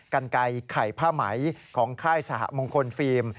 กันไก่ไข่ผ้าไหมของค่ายสหมงคลฟิล์ม